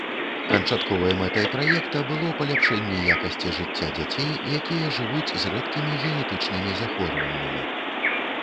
Канчатковай мэтай праекта было паляпшэнне якасці жыцця дзяцей, якія жывуць з рэдкімі генетычнымі захворваннямі.